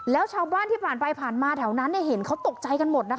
แล้วชาวบ้านที่ผ่านไปผ่านมาแถวนั้นเห็นเขาตกใจกันหมดนะคะ